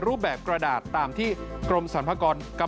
โทษภาพชาวนี้ก็จะได้ราคาใหม่